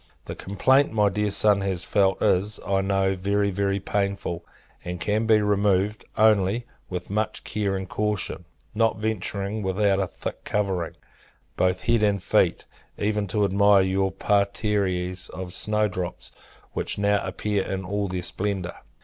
The complaint my dear son has felt is, I know, very, very painful: and can be removed, only, with much care and caution; not venturing, without a thick covering, both head and feet, even to admire your parterres of snow drops, which now appear in all their splendour.